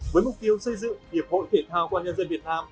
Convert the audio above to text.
với mục tiêu xây dựng hiệp hội thể thao công an nhân dân việt nam